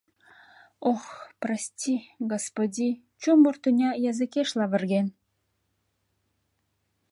Ох, прости, господи, чумыр тӱня языкеш лавырген.